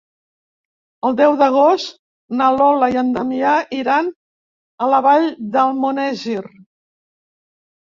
El deu d'agost na Lola i en Damià iran a la Vall d'Almonesir.